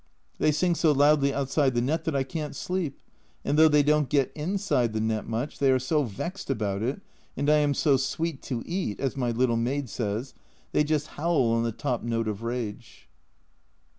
They sing so loudly outside the net that I can't sleep, and though they don't get inside the net much they are so vexed about it, and I am "so sweet to eat," as my little maid says, they just howl on the top note of rage.